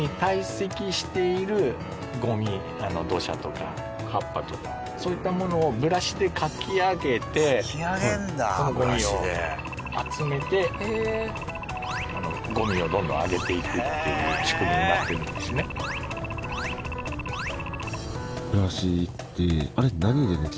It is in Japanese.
土砂とか葉っぱとかそういったものをブラシでかき上げてそのゴミを集めてゴミをどんどん上げていくっていう仕組みになってるんですね。